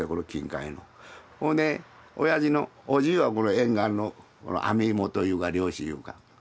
ほんでおやじのおじいは沿岸の網元いうか漁師いうか。